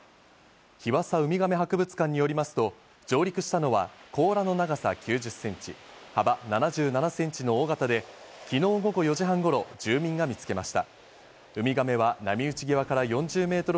日和佐うみがめ博物館によりますと、上陸したのは甲羅の長さ９０センチ、幅７７センチの大型で、きのう午後４時半ごろ、住民が見つけました。